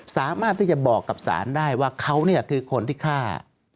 สามารถที่จะบอกกับศาลได้ว่าเขาคือคนที่ฆ่า